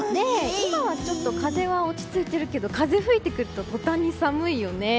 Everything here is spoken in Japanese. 今はちょっと風は落ち着いてるけど風が吹いてくると途端に寒いよね。